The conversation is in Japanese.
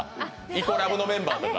イコラブのメンバーとか。